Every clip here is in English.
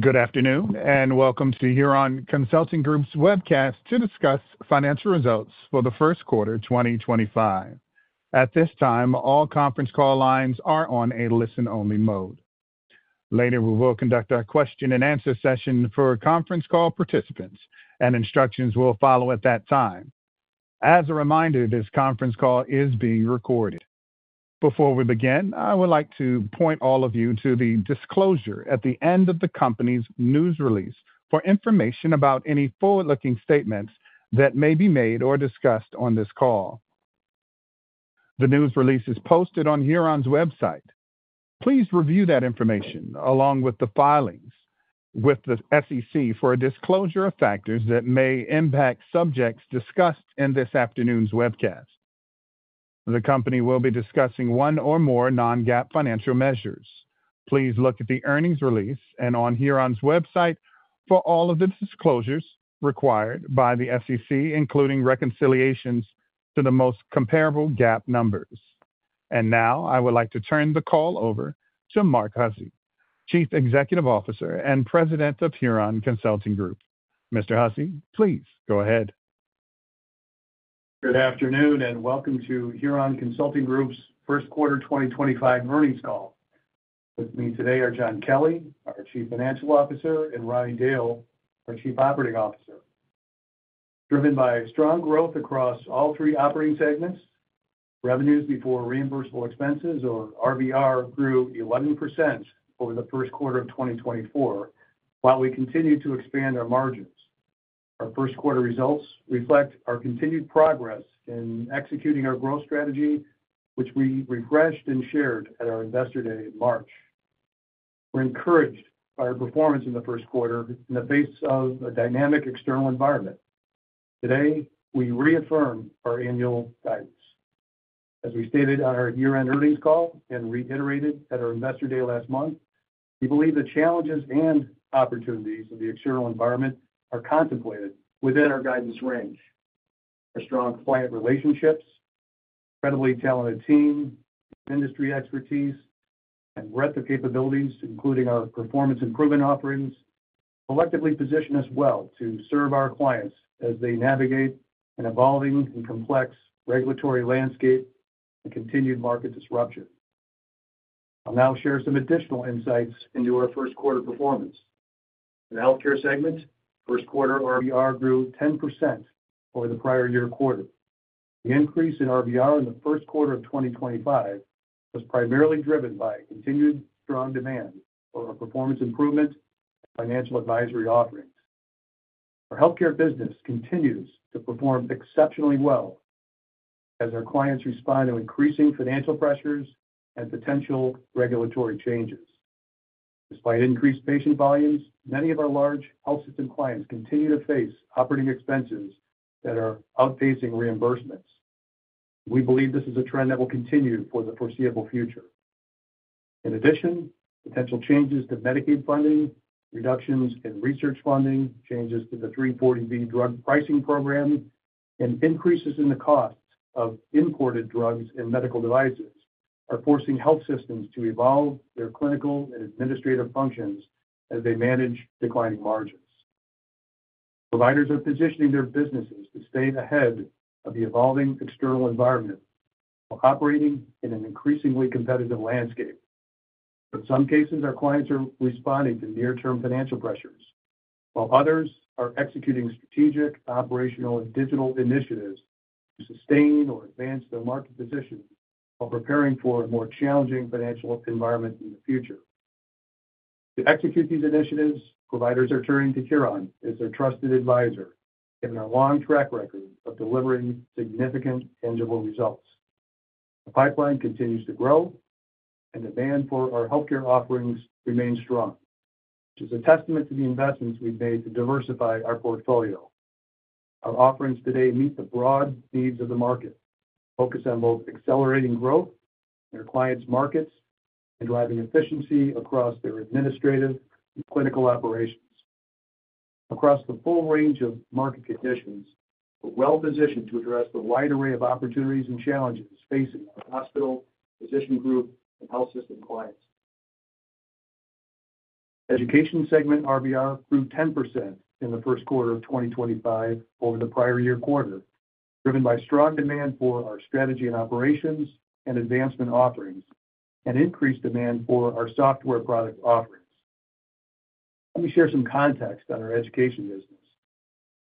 Good afternoon, and welcome to Huron Consulting Group's webcast to discuss financial results for the first quarter 2025. At this time, all conference call lines are on a listen-only mode. Later, we will conduct a question-and-answer session for conference call participants, and instructions will follow at that time. As a reminder, this conference call is being recorded. Before we begin, I would like to point all of you to the disclosure at the end of the company's news release for information about any forward-looking statements that may be made or discussed on this call. The news release is posted on Huron's website. Please review that information along with the filings with the SEC for a disclosure of factors that may impact subjects discussed in this afternoon's webcast. The company will be discussing one or more non-GAAP financial measures. Please look at the earnings release and on Huron's website for all of the disclosures required by the SEC, including reconciliations to the most comparable GAAP numbers. I would like to turn the call over to Mark Hussey, Chief Executive Officer and President of Huron Consulting Group. Mr. Hussey, please go ahead. Good afternoon, and welcome to Huron Consulting Group's First Quarter 2025 Earnings Call. With me today are John Kelly, our Chief Financial Officer, and Ronnie Dale, our Chief Operating Officer. Driven by strong growth across all three operating segments, revenues before reimbursable expenses, or RBR, grew 11% over the first quarter of 2024 while we continue to expand our margins. Our first quarter results reflect our continued progress in executing our growth strategy, which we refreshed and shared at our Investor Day in March. We're encouraged by our performance in the first quarter in the face of a dynamic external environment. Today, we reaffirm our annual guidance. As we stated on our year-end earnings call and reiterated at our Investor Day last month, we believe the challenges and opportunities of the external environment are contemplated within our guidance range. Our strong client relationships, incredibly talented team, industry expertise, and breadth of capabilities, including our performance improvement offerings, collectively position us well to serve our clients as they navigate an evolving and complex regulatory landscape and continued market disruption. I'll now share some additional insights into our first quarter performance. In the healthcare segment, first quarter RBR grew 10% over the prior year quarter. The increase in RBR in the first quarter of 2025 was primarily driven by continued strong demand for our performance improvement and financial advisory offerings. Our healthcare business continues to perform exceptionally well as our clients respond to increasing financial pressures and potential regulatory changes. Despite increased patient volumes, many of our large health system clients continue to face operating expenses that are outpacing reimbursements. We believe this is a trend that will continue for the foreseeable future. In addition, potential changes to Medicaid funding, reductions in research funding, changes to the 340B drug pricing program, and increases in the cost of imported drugs and medical devices are forcing health systems to evolve their clinical and administrative functions as they manage declining margins. Providers are positioning their businesses to stay ahead of the evolving external environment while operating in an increasingly competitive landscape. In some cases, our clients are responding to near-term financial pressures, while others are executing strategic operational and digital initiatives to sustain or advance their market position while preparing for a more challenging financial environment in the future. To execute these initiatives, providers are turning to Huron as their trusted advisor, given our long track record of delivering significant tangible results. The pipeline continues to grow, and demand for our healthcare offerings remains strong, which is a testament to the investments we've made to diversify our portfolio. Our offerings today meet the broad needs of the market, focus on both accelerating growth in our clients' markets and driving efficiency across their administrative and clinical operations. Across the full range of market conditions, we're well-positioned to address the wide array of opportunities and challenges facing our hospital, physician group, and health system clients. Education segment RBR grew 10% in the first quarter of 2025 over the prior year quarter, driven by strong demand for our strategy and operations and advancement offerings, and increased demand for our software product offerings. Let me share some context on our education business.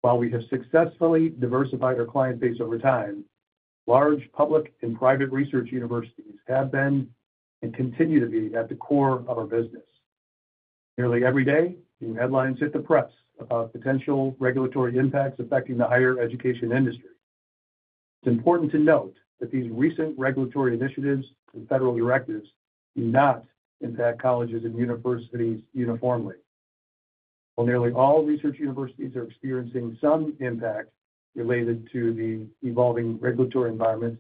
While we have successfully diversified our client base over time, large public and private research universities have been and continue to be at the core of our business. Nearly every day, new headlines hit the press about potential regulatory impacts affecting the higher education industry. It's important to note that these recent regulatory initiatives and federal directives do not impact colleges and universities uniformly. While nearly all research universities are experiencing some impact related to the evolving regulatory environment,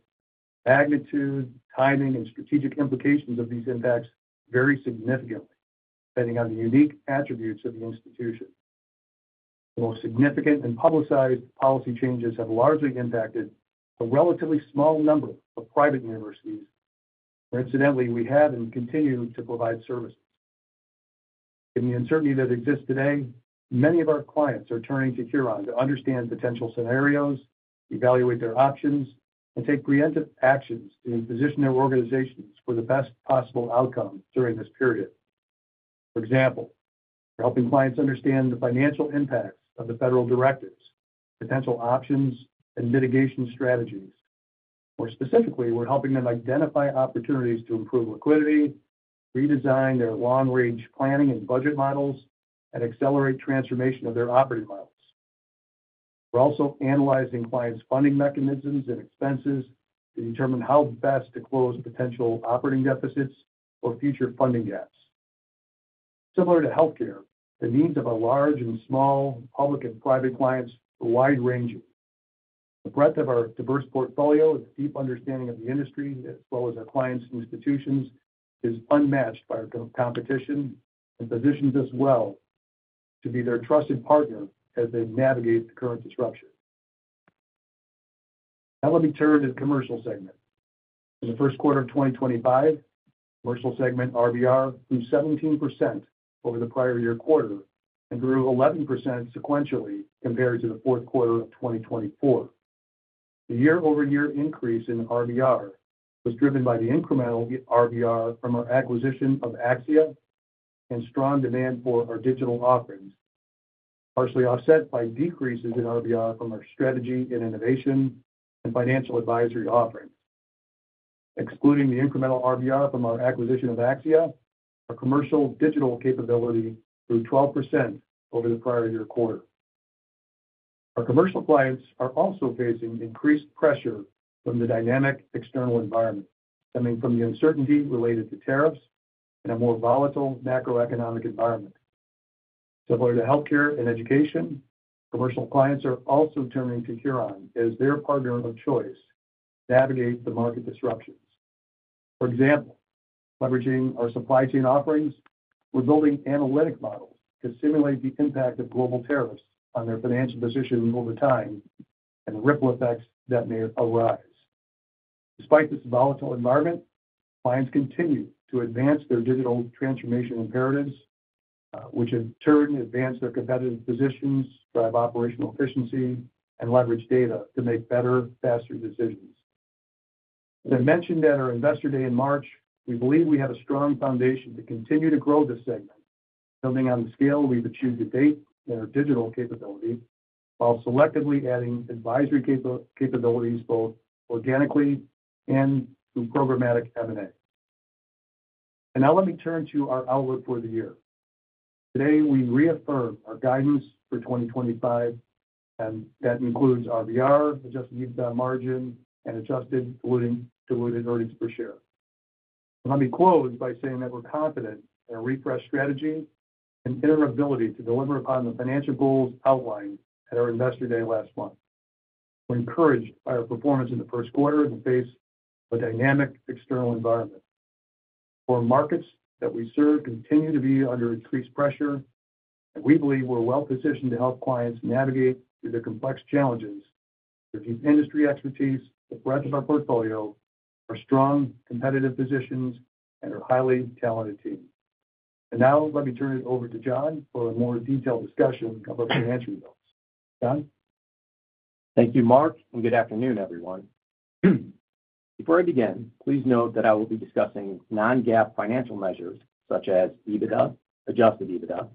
the magnitude, timing, and strategic implications of these impacts vary significantly, depending on the unique attributes of the institution. The most significant and publicized policy changes have largely impacted a relatively small number of private universities where, incidentally, we have and continue to provide services. In the uncertainty that exists today, many of our clients are turning to Huron to understand potential scenarios, evaluate their options, and take preemptive actions to position their organizations for the best possible outcome during this period. For example, we're helping clients understand the financial impacts of the federal directives, potential options, and mitigation strategies. More specifically, we're helping them identify opportunities to improve liquidity, redesign their long-range planning and budget models, and accelerate transformation of their operating models. We're also analyzing clients' funding mechanisms and expenses to determine how best to close potential operating deficits or future funding gaps. Similar to healthcare, the needs of our large and small, public and private clients are wide-ranging. The breadth of our diverse portfolio, the deep understanding of the industry, as well as our clients' institutions, is unmatched by our competition and positions us well to be their trusted partner as they navigate the current disruption. Now, let me turn to the commercial segment. In the first quarter of 2025, commercial segment RBR grew 17% over the prior year quarter and grew 11% sequentially compared to the fourth quarter of 2024. The year-over-year increase in RBR was driven by the incremental RBR from our acquisition of AXIA and strong demand for our digital offerings, partially offset by decreases in RBR from our strategy and innovation and financial advisory offerings. Excluding the incremental RBR from our acquisition of AXIA, our commercial digital capability grew 12% over the prior year quarter. Our commercial clients are also facing increased pressure from the dynamic external environment, stemming from the uncertainty related to tariffs and a more volatile macroeconomic environment. Similar to healthcare and education, commercial clients are also turning to Huron as their partner of choice to navigate the market disruptions. For example, leveraging our supply chain offerings, we're building analytic models to simulate the impact of global tariffs on their financial positions over time and the ripple effects that may arise. Despite this volatile environment, clients continue to advance their digital transformation imperatives, which in turn advance their competitive positions, drive operational efficiency, and leverage data to make better, faster decisions. As I mentioned at our Investor Day in March, we believe we have a strong foundation to continue to grow this segment, building on the scale we've achieved to date in our digital capability while selectively adding advisory capabilities both organically and through programmatic M&A. Let me turn to our outlook for the year. Today, we reaffirm our guidance for 2025, and that Adjusted EBITDA margin, and adjusted diluted earnings per share. Let me close by saying that we're confident in our refreshed strategy and our ability to deliver upon the financial goals outlined at our Investor Day last month. We're encouraged by our performance in the first quarter in the face of a dynamic external environment. Our markets that we serve continue to be under increased pressure, and we believe we're well-positioned to help clients navigate through the complex challenges through deep industry expertise, the breadth of our portfolio, our strong competitive positions, and our highly talented team. Let me turn it over to John for a more detailed discussion of our financial results. John? Thank you, Mark, and good afternoon, everyone. Before I begin, please note that I will be discussing non-GAAP financial measures such Adjusted EBITDA,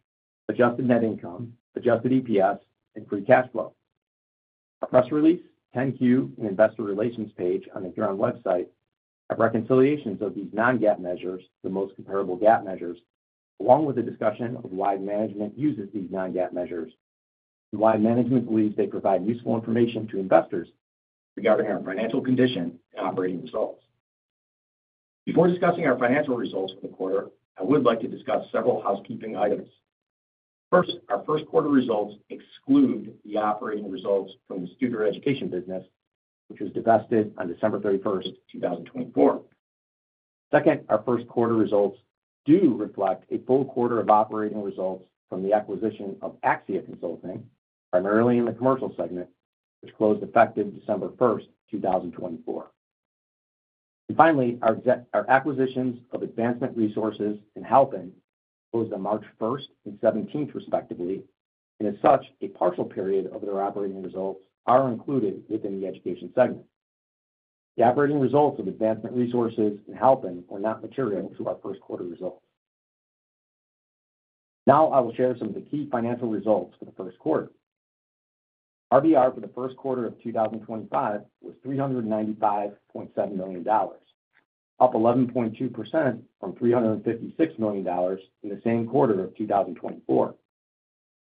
adjusted net income, Adjusted EPS, and free cash flow. A press release, 10-Q, and investor relations page on the Huron website have reconciliations of these non-GAAP measures, the most comparable GAAP measures, along with a discussion of why management uses these non-GAAP measures. Why management believes they provide useful information to investors regarding our financial condition and operating results. Before discussing our financial results for the quarter, I would like to discuss several housekeeping items. First, our first quarter results exclude the operating results from the student education business, which was divested on December 31, 2024. Second, our first quarter results do reflect a full quarter of operating results from the acquisition of AXIA Consulting, primarily in the commercial segment, which closed effective December 1, 2024. Finally, our acquisitions of Advancement Resources and Halpin closed on March 1 and 17, respectively, and as such, a partial period of their operating results are included within the education segment. The operating results of Advancement Resources and Halpin were not material to our first quarter results. Now, I will share some of the key financial results for the first quarter. RBR for the first quarter of 2025 was $395.7 million, up 11.2% from $356 million in the same quarter of 2024.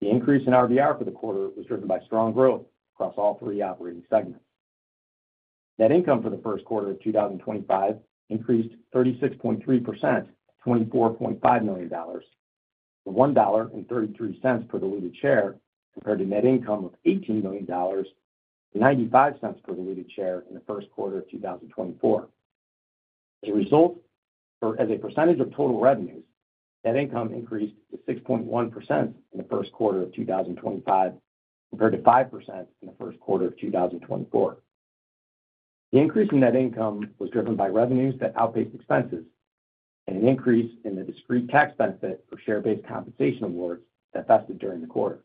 The increase in RBR for the quarter was driven by strong growth across all three operating segments. Net income for the first quarter of 2025 increased 36.3% to $24.5 million, $1.33 per diluted share compared to net income of $18.95 per diluted share in the first quarter of 2024. As a result, or as a percentage of total revenues, net income increased to 6.1% in the first quarter of 2025 compared to 5% in the first quarter of 2024. The increase in net income was driven by revenues that outpaced expenses and an increase in the discrete tax benefit for share-based compensation awards that vested during the quarter.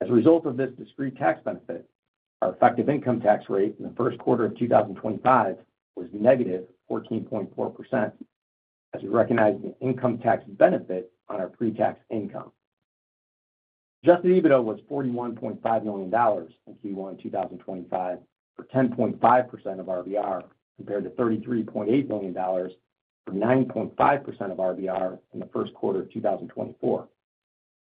As a result of this discrete tax benefit, our effective income tax rate in the first quarter of 2025 was negative 14.4%, as we recognize the income tax benefit on our pre-tax income. Adjusted EBITDA was $41.5 million in Q1 2025 for 10.5% of RBR compared to $33.8 million for 9.5% of RBR in the first quarter of 2024.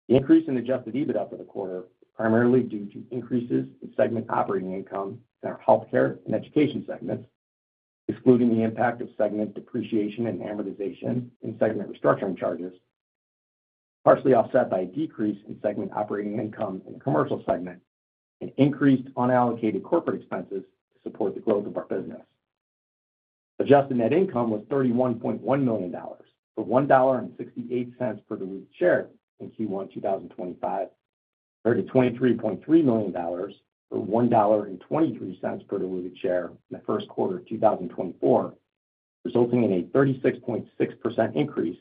The Adjusted EBITDA for the quarter was primarily due to increases in segment operating income in our healthcare and education segments, excluding the impact of segment depreciation and amortization and segment restructuring charges, partially offset by a decrease in segment operating income in the commercial segment and increased unallocated corporate expenses to support the growth of our business. Adjusted net income was $31.1 million for $1.68 per diluted share in Q1 2025 compared to $23.3 million for $1.23 per diluted share in the first quarter of 2024, resulting in a 36.6% increase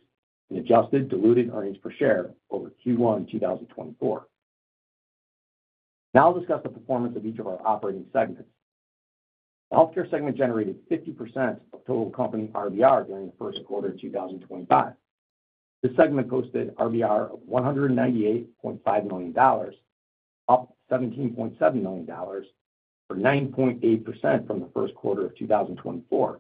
in adjusted diluted earnings per share over Q1 2024. Now, I'll discuss the performance of each of our operating segments. The healthcare segment generated 50% of total company RBR during the first quarter of 2025. This segment posted RBR of $198.5 million, up $17.7 million or 9.8% from the first quarter of 2024.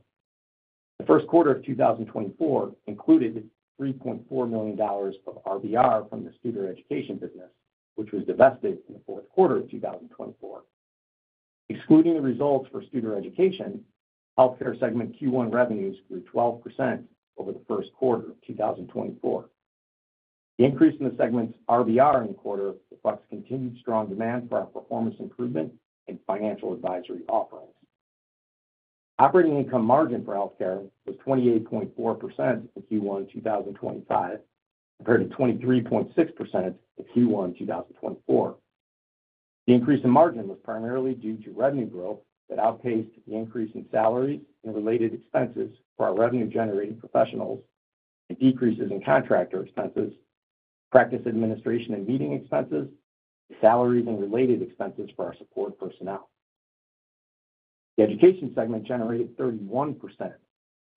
The first quarter of 2024 included $3.4 million of RBR from the student education business, which was divested in the fourth quarter of 2024. Excluding the results for student education, healthcare segment Q1 revenues grew 12% over the first quarter of 2024. The increase in the segment's RBR in the quarter reflects continued strong demand for our performance improvement and financial advisory offerings. Operating income margin for healthcare was 28.4% in Q1 2025 compared to 23.6% in Q1 2024. The increase in margin was primarily due to revenue growth that outpaced the increase in salaries and related expenses for our revenue-generating professionals and decreases in contractor expenses, practice administration and meeting expenses, salaries, and related expenses for our support personnel. The education segment generated 31% of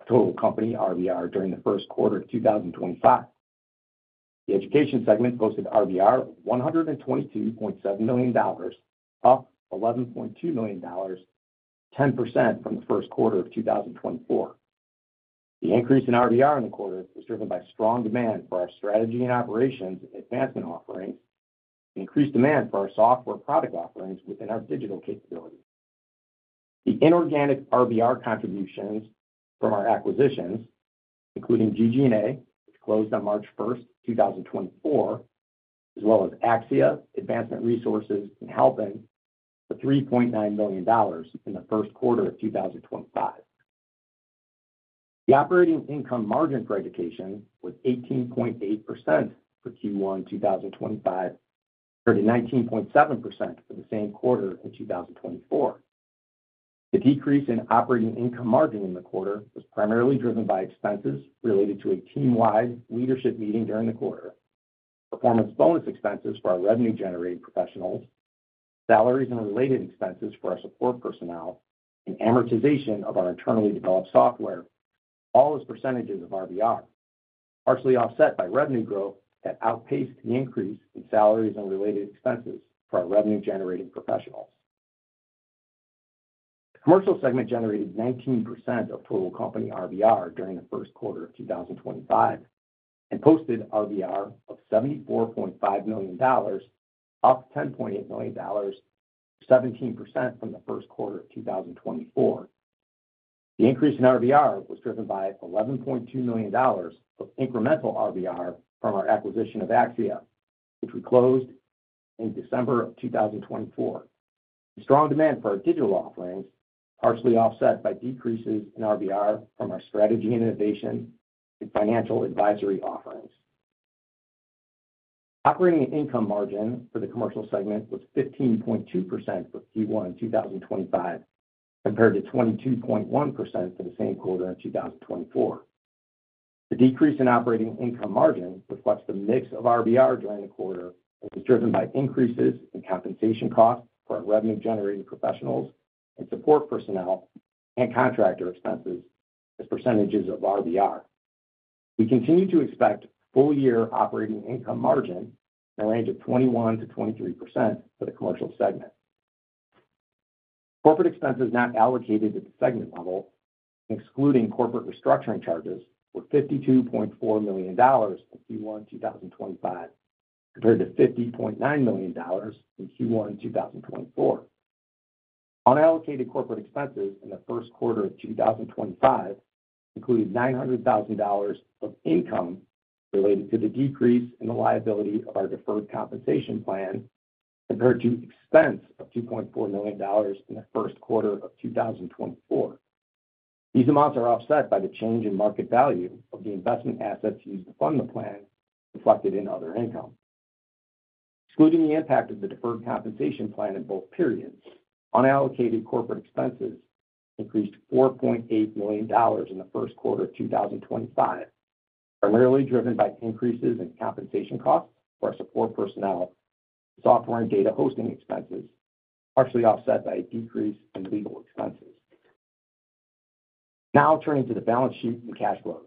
total company RBR during the first quarter of 2025. The education segment posted RBR of $122.7 million, up $11.2 million, 10% from the first quarter of 2024. The increase in RBR in the quarter was driven by strong demand for our strategy and operations and advancement offerings and increased demand for our software product offerings within our digital capabilities. The inorganic RBR contributions from our acquisitions, including GG+A, which closed on March 1st, 2024, as well as AXIA, Advancement Resources, and Halpin, were $3.9 million in the first quarter of 2025. The operating income margin for education was 18.8% for Q1 2025 compared to 19.7% for the same quarter in 2024. The decrease in operating income margin in the quarter was primarily driven by expenses related to a team-wide leadership meeting during the quarter, performance bonus expenses for our revenue-generating professionals, salaries and related expenses for our support personnel, and amortization of our internally developed software, all as percentages of RBR, partially offset by revenue growth that outpaced the increase in salaries and related expenses for our revenue-generating professionals. The commercial segment generated 19% of total company RBR during the first quarter of 2025 and posted RBR of $74.5 million, up $10.8 million, 17% from the first quarter of 2024. The increase in RBR was driven by $11.2 million of incremental RBR from our acquisition of AXIA Consulting, which we closed in December of 2024. Strong demand for our digital offerings partially offset by decreases in RBR from our strategy and innovation and financial advisory offerings. Operating income margin for the commercial segment was 15.2% for Q1 2025 compared to 22.1% for the same quarter in 2024. The decrease in operating income margin reflects the mix of RBR during the quarter that was driven by increases in compensation costs for our revenue-generating professionals and support personnel and contractor expenses as percentages of RBR. We continue to expect full-year operating income margin in the range of 21%-23% for the commercial segment. Corporate expenses not allocated at the segment level, excluding corporate restructuring charges, were $52.4 million in Q1 2025 compared to $50.9 million in Q1 2024. Unallocated corporate expenses in the first quarter of 2025 included $900,000 of income related to the decrease in the liability of our deferred compensation plan compared to expense of $2.4 million in the first quarter of 2024. These amounts are offset by the change in market value of the investment assets used to fund the plan reflected in other income. Excluding the impact of the deferred compensation plan in both periods, unallocated corporate expenses increased $4.8 million in the first quarter of 2025, primarily driven by increases in compensation costs for our support personnel, software and data hosting expenses, partially offset by a decrease in legal expenses. Now, turning to the balance sheet and cash flows.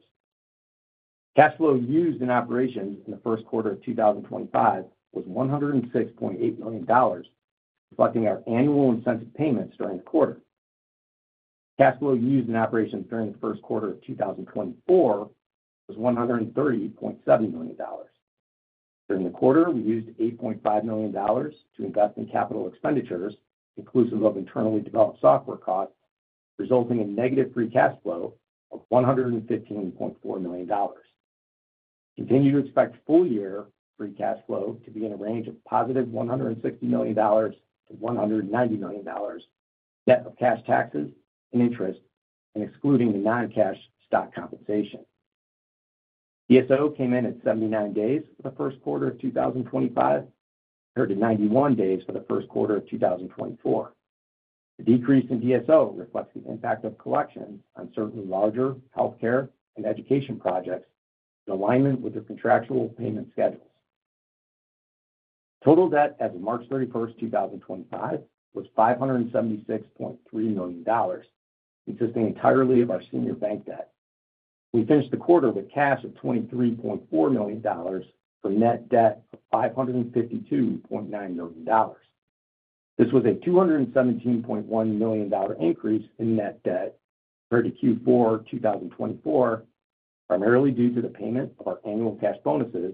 Cash flow used in operations in the first quarter of 2025 was $106.8 million, reflecting our annual incentive payments during the quarter. Cash flow used in operations during the first quarter of 2024 was $130.7 million. During the quarter, we used $8.5 million to invest in capital expenditures, inclusive of internally developed software costs, resulting in negative free cash flow of $115.4 million. Continue to expect full-year free cash flow to be in a range of positive $160 million-$190 million net of cash taxes and interest, excluding the non-cash stock compensation. DSO came in at 79 days for the first quarter of 2025 compared to 91 days for the first quarter of 2024. The decrease in DSO reflects the impact of collections on certain larger healthcare and education projects in alignment with their contractual payment schedules. Total debt as of March 31, 2025, was $576.3 million, consisting entirely of our senior bank debt. We finished the quarter with cash of $23.4 million for net debt of $552.9 million. This was a $217.1 million increase in net debt compared to Q4 2024, primarily due to the payment of our annual cash bonuses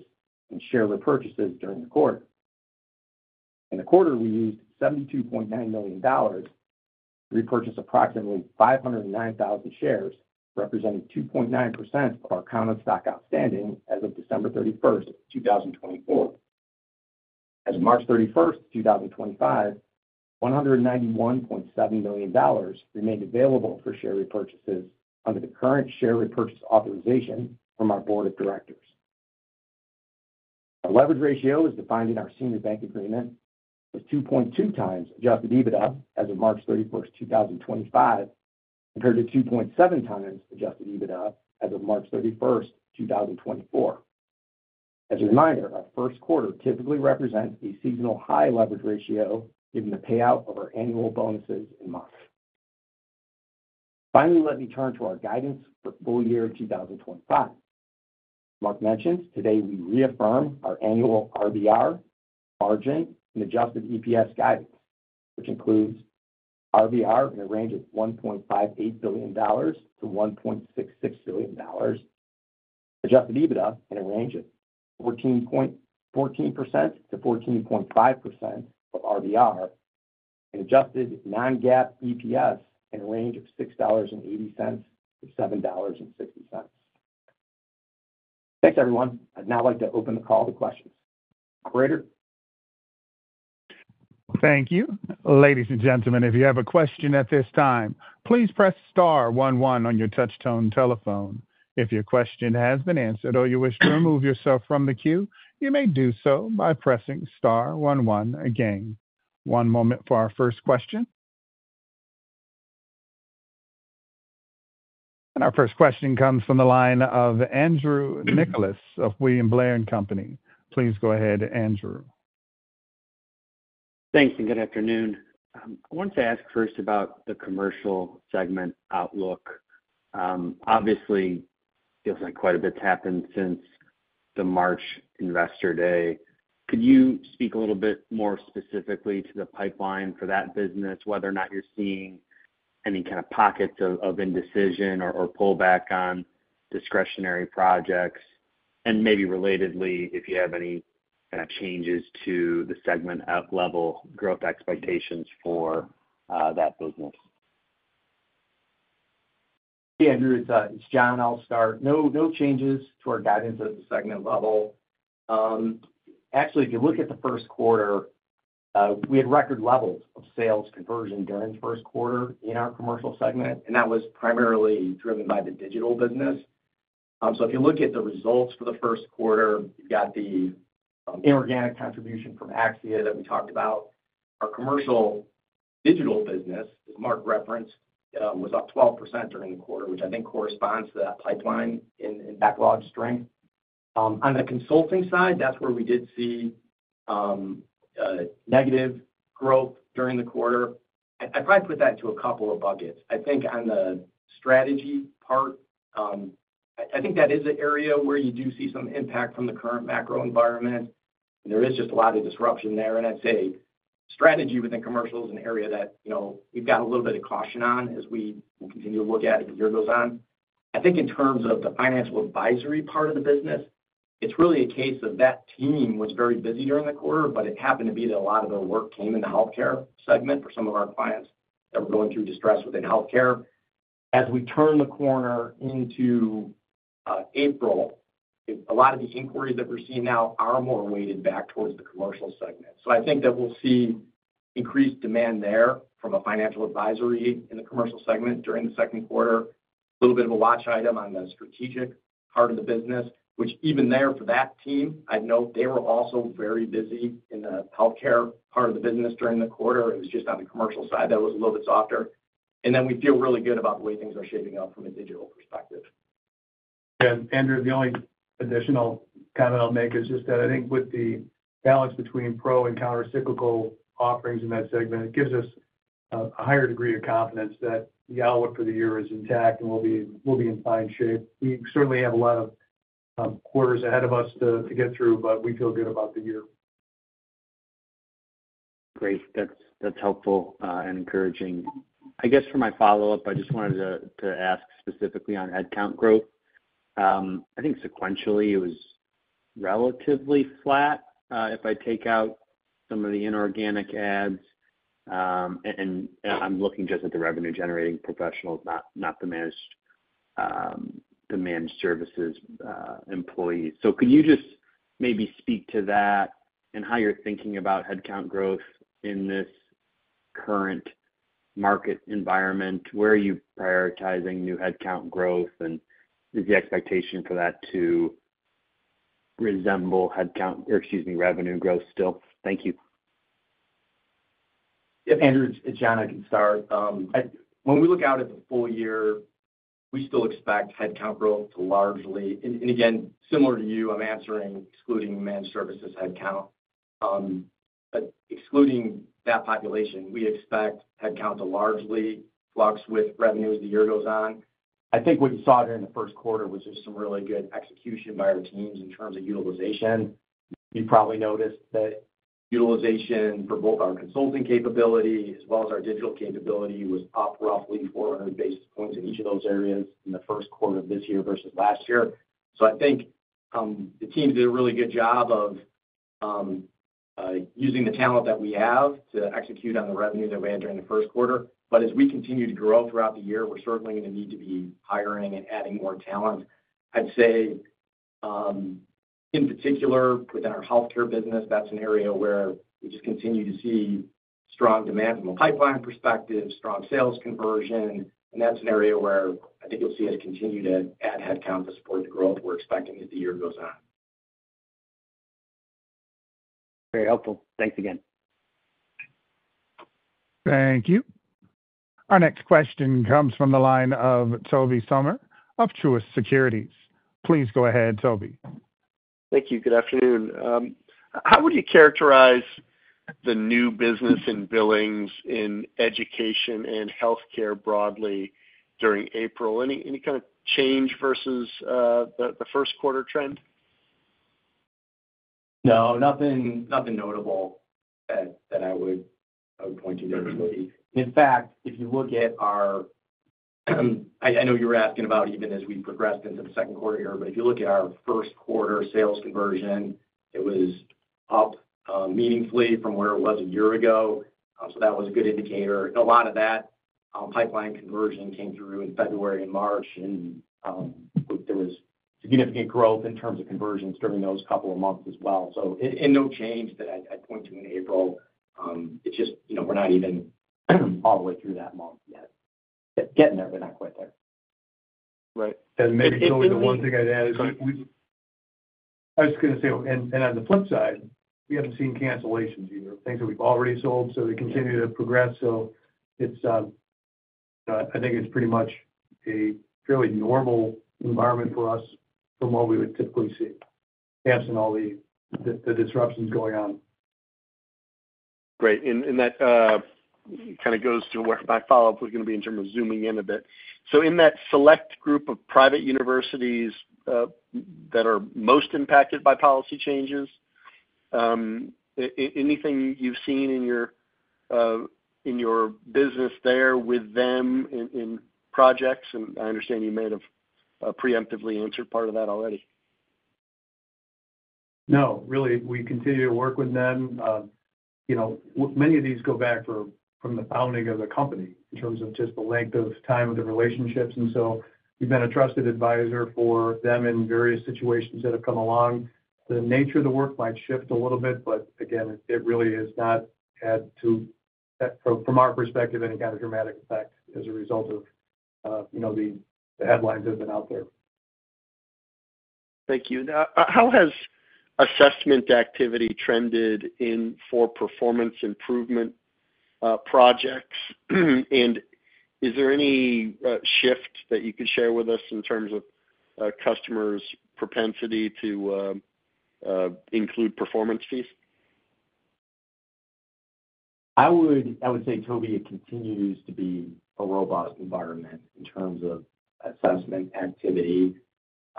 and share repurchases during the quarter. In the quarter, we used $72.9 million to repurchase approximately 509,000 shares, representing 2.9% of our common stock outstanding as of December 31, 2024. As of March 31, 2025, $191.7 million remained available for share repurchases under the current share repurchase authorization from our board of directors. Our leverage ratio, as defined in our senior bank agreement, was Adjusted EBITDA as of March 31, 2025, compared to Adjusted EBITDA as of March 31, 2024. As a reminder, our first quarter typically represents a seasonal high leverage ratio given the payout of our annual bonuses in March. Finally, let me turn to our guidance for full-year 2025. As Mark mentioned, today we reaffirm our annual RBR, margin, and Adjusted EPS guidance, which includes RBR in a range of $1.58, Adjusted EBITDA in a range of 14.14%-14.5% of RBR, and adjusted non-GAAP EPS in a range of $6.80-$7.60. Thanks, everyone. I'd now like to open the call to questions. Operator. Thank you. Ladies and gentlemen, if you have a question at this time, please press star one one on your touchtone telephone. If your question has been answered or you wish to remove yourself from the queue, you may do so by pressing star one one again. One moment for our first question. Our first question comes from the line of Andrew Nicholas of William Blair and Company. Please go ahead, Andrew. Thanks and good afternoon. I wanted to ask first about the commercial segment outlook. Obviously, it feels like quite a bit's happened since the March Investor Day. Could you speak a little bit more specifically to the pipeline for that business, whether or not you're seeing any kind of pockets of indecision or pullback on discretionary projects? Maybe relatedly, if you have any kind of changes to the segment-level growth expectations for that business. Yeah, Andrew, it's John. I'll start. No changes to our guidance at the segment level. Actually, if you look at the first quarter, we had record levels of sales conversion during the first quarter in our commercial segment, and that was primarily driven by the digital business. If you look at the results for the first quarter, you've got the inorganic contribution from AXIA that we talked about. Our commercial digital business, as Mark referenced, was up 12% during the quarter, which I think corresponds to that pipeline in backlog strength. On the consulting side, that is where we did see negative growth during the quarter. I would probably put that into a couple of buckets. I think on the strategy part, I think that is an area where you do see some impact from the current macro environment. There is just a lot of disruption there. I would say strategy within commercial is an area that we have got a little bit of caution on as we will continue to look at as the year goes on. I think in terms of the financial advisory part of the business, it's really a case of that team was very busy during the quarter, but it happened to be that a lot of their work came in the healthcare segment for some of our clients that were going through distress within healthcare. As we turn the corner into April, a lot of the inquiries that we're seeing now are more weighted back towards the commercial segment. I think that we'll see increased demand there from a financial advisory in the commercial segment during the second quarter. A little bit of a watch item on the strategic part of the business, which even there for that team, I'd note they were also very busy in the healthcare part of the business during the quarter. It was just on the commercial side that was a little bit softer. We feel really good about the way things are shaping up from a digital perspective. Andrew, the only additional comment I'll make is just that I think with the balance between pro and countercyclical offerings in that segment, it gives us a higher degree of confidence that the outlook for the year is intact and we'll be in fine shape. We certainly have a lot of quarters ahead of us to get through, but we feel good about the year. Great. That's helpful and encouraging. I guess for my follow-up, I just wanted to ask specifically on headcount growth. I think sequentially it was relatively flat if I take out some of the inorganic ads. I'm looking just at the revenue-generating professionals, not the managed services employees. Could you just maybe speak to that and how you're thinking about headcount growth in this current market environment? Where are you prioritizing new headcount growth? Is the expectation for that to resemble headcount, or excuse me, revenue growth still? Thank you. Yep. Andrew, it's John. I can start. When we look out at the full year, we still expect headcount growth to largely—and again, similar to you, I'm answering, excluding managed services headcount. Excluding that population, we expect headcount to largely flux with revenue as the year goes on. I think what you saw during the first quarter was just some really good execution by our teams in terms of utilization. You probably noticed that utilization for both our consulting capability as well as our digital capability was up roughly 400 basis points in each of those areas in the first quarter of this year versus last year. I think the teams did a really good job of using the talent that we have to execute on the revenue that we had during the first quarter. As we continue to grow throughout the year, we're certainly going to need to be hiring and adding more talent. I'd say, in particular, within our healthcare business, that's an area where we just continue to see strong demand from a pipeline perspective, strong sales conversion, and that's an area where I think you'll see us continue to add headcount to support the growth we're expecting as the year goes on. Very helpful. Thanks again. Thank you. Our next question comes from the line of Tobey Sommer of Truist Securities. Please go ahead, Toby. Thank you. Good afternoon. How would you characterize the new business in billings in education and healthcare broadly during April? Any kind of change versus the first quarter trend? No, nothing notable that I would point to there really. In fact, if you look at our—I know you were asking about even as we progressed into the second quarter here, but if you look at our first quarter sales conversion, it was up meaningfully from where it was a year ago. That was a good indicator. A lot of that pipeline conversion came through in February and March, and there was significant growth in terms of conversions during those couple of months as well. No change that I would point to in April. It's just we're not even all the way through that month yet. Getting there, but not quite there. Right. Maybe the one thing I'd add is we—I was just going to say, on the flip side, we haven't seen cancellations either. Things that we've already sold, they continue to progress. I think it's pretty much a fairly normal environment for us from what we would typically see, absent all the disruptions going on. Great. That kind of goes to where my follow-up was going to be in terms of zooming in a bit. In that select group of private universities that are most impacted by policy changes, anything you've seen in your business there with them in projects? I understand you may have preemptively answered part of that already. No, really. We continue to work with them. Many of these go back from the founding of the company in terms of just the length of time of the relationships. We have been a trusted advisor for them in various situations that have come along. The nature of the work might shift a little bit, but again, it really has not had, from our perspective, any kind of dramatic effect as a result of the headlines that have been out there. Thank you. How has assessment activity trended in for performance improvement projects? Is there any shift that you could share with us in terms of customers' propensity to include performance fees? I would say, Toby, it continues to be a robust environment in terms of assessment activity.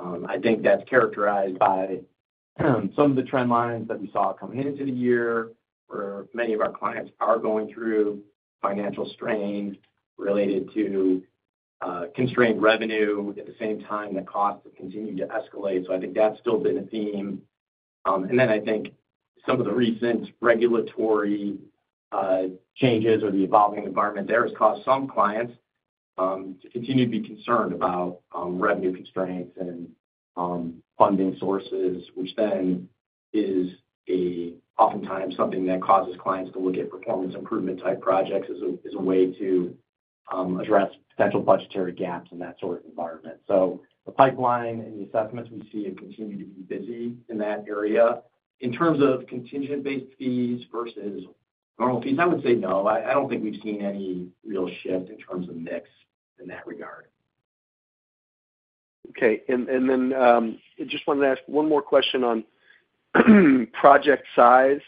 I think that's characterized by some of the trend lines that we saw coming into the year, where many of our clients are going through financial strain related to constrained revenue at the same time that costs have continued to escalate. I think that's still been a theme. I think some of the recent regulatory changes or the evolving environment there has caused some clients to continue to be concerned about revenue constraints and funding sources, which then is oftentimes something that causes clients to look at performance improvement type projects as a way to address potential budgetary gaps in that sort of environment. The pipeline and the assessments we see have continued to be busy in that area. In terms of contingent-based fees versus normal fees, I would say no. I don't think we've seen any real shift in terms of mix in that regard. Okay. I just wanted to ask one more question on project size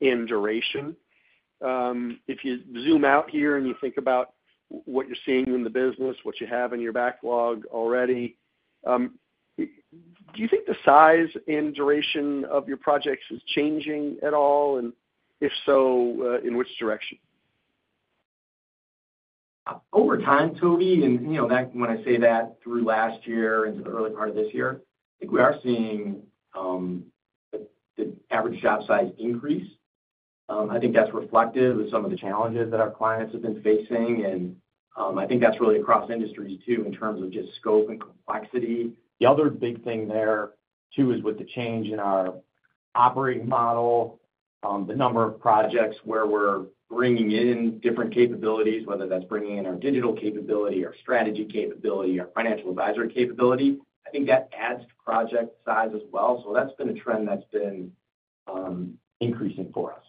and duration. If you zoom out here and you think about what you're seeing in the business, what you have in your backlog already, do you think the size and duration of your projects is changing at all? If so, in which direction? Over time, Toby, and when I say that through last year into the early part of this year, I think we are seeing the average job size increase. I think that's reflective of some of the challenges that our clients have been facing. I think that's really across industries too in terms of just scope and complexity. The other big thing there too is with the change in our operating model, the number of projects where we're bringing in different capabilities, whether that's bringing in our digital capability, our strategy capability, our financial advisory capability. I think that adds to project size as well. That's been a trend that's been increasing for us.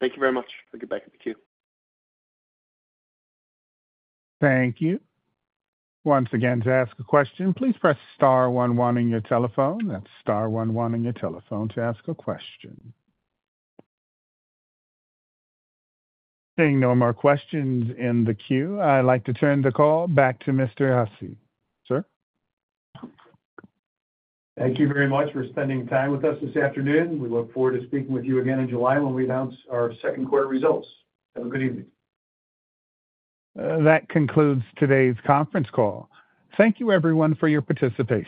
Thank you very much. We'll get back to the queue. Thank you. Once again, to ask a question, please press star one one on your telephone. That's star one one on your telephone to ask a question. Seeing no more questions in the queue, I'd like to turn the call back to Mr. Hussey. Sir? Thank you very much for spending time with us this afternoon. We look forward to speaking with you again in July when we announce our second quarter results. Have a good evening. That concludes today's conference call. Thank you, everyone, for your participation.